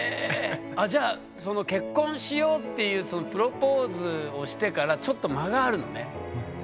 じゃあ結婚しようっていうプロポーズをしてからちょっと間があるのね。